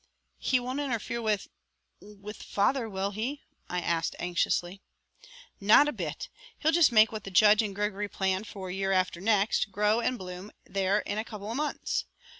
"He won't interfere with with father, will he?" I asked anxiously. "Not a bit he'll just make what the judge and Gregory plan for year after next, grow and bloom there in a couple of months.